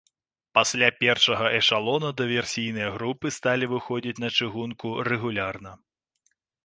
Пасля першага эшалона дыверсійныя групы сталі выходзіць на чыгунку рэгулярна.